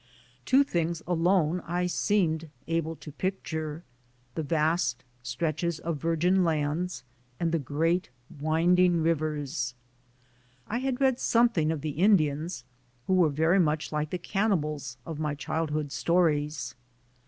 Two things alone I seemed able to pic ture; the vast stretches of virgin lands and the great, winding rivers. I had read something of the Indians, who were very much like the cannibals of my childhood stories.